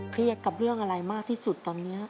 เครียดกับเรื่องอะไรมากที่สุดตอนนี้